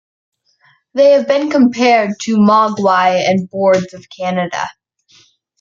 They have been compared to Mogwai and Boards of Canada.